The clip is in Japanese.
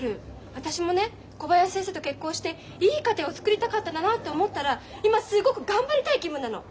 私もね小林先生と結婚していい家庭を作りたかったんだなって思ったら今すごく頑張りたい気分なの。